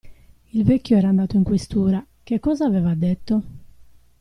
Il vecchio era andato in Questura: che cosa aveva detto?